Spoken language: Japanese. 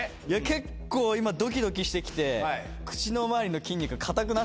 結構今ドキドキしてきて。